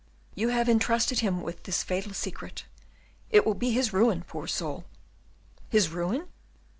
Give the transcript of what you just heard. You have intrusted him with this fatal secret; it will be his ruin, poor soul!" "His ruin?"